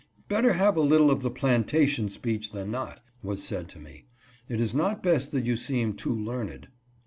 " Better have a little of the plantation speech than not," was said 270 HIS STORY DOUBTED. to me ;" it is not best that you seem too learned."